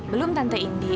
belum tante indi